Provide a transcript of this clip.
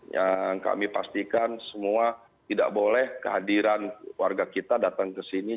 yang kami pastikan semua tidak boleh kehadiran warga kita datang ke sini